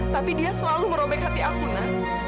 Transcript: tapi dia selalu ngerobek hati aku na